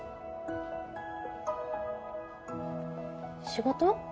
仕事？